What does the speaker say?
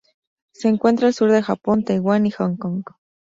Se encuentra al sur del Japón, Taiwán y Hong Kong.